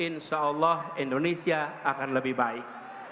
insya allah indonesia akan lebih baik